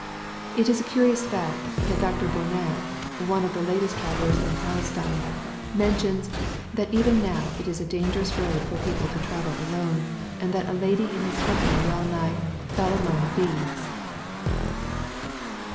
It is a curious fact^ that Dr. Bonar, one of the latest travellers in Palestine, mentions, that even now it is a dangerous road for people to travel alone, and tliat a I lady in his company well nigh " fell among thieves."